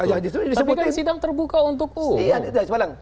tapi kan sidang terbuka untuk publik